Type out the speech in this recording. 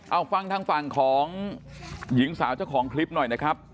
เอาฟังทางฝั่งของหญิงสาวเจ้าของคลิปหน่อยนะครับ